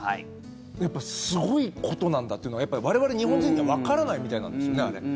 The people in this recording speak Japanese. やっぱりすごいことなんだっていうのが我々日本人ではわからないみたいなんですよね。